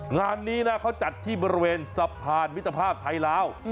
งานนี้นะเขาจัดที่บริเวณสะพานมิตรภาพไทยลาว